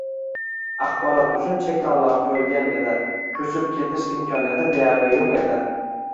axborot uchun cheklovlar qo‘yilgan edi, ko‘chib ketish imkoniyati deyarli yo‘q edi.